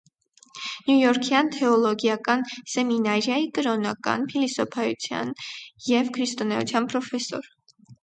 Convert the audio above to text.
Նյույորքյան թեոլոգիական սեմինարիայի կրոնական փիլիսոփայության և քրիստոնեության պրոֆեսոր։